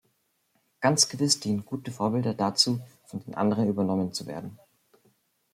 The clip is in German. Ganz gewiss dienen gute Vorbilder dazu, von den anderen übernommen zu werden.